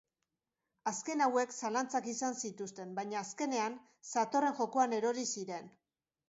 Azken hauek zalantzak izan zituzten, baina azkenean, satorren jokoan erori ziren.